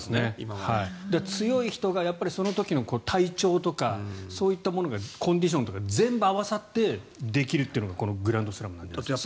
強い人がその時の体調とかそういったものがコンディションとか全部合わさってできるというのがこのグランドスラムなんですって。